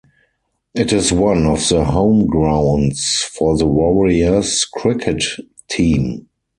It is one of the home grounds for the Warriors cricket team.